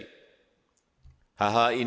hal hal ini harus diperlukan